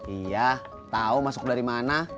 iya tahu masuk dari mana